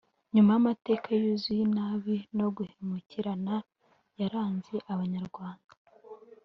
nyuma y’amateka yuzuye inabi no guhemukirana yaranze abanyarwanda